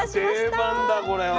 うわ定番だこれは。